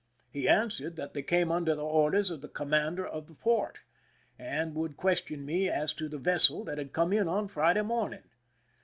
He answered that they came under the orders of the commander of the port, and would question me as to the vessel that had come in on Friday morn ing.